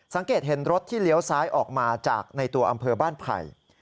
สังเกตเห็นรถที่เลี้ยวซ้ายออกมาจากในตัวอำเภอบ้านไผ่